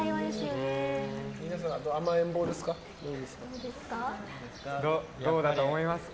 皆さん、甘えん坊ですか？